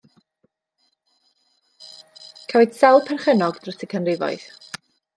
Cafwyd sawl perchennog dros y canrifoedd.